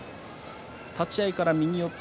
立ち合いから右四つ